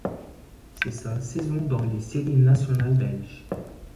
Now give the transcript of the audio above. C'est sa ' saison dans les séries nationales belges.